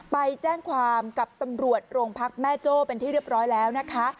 ไปแจ้งความกับตำรวจโรงพักแม่โจ้เป็นที่เรียบร้อยแล้วนะคะ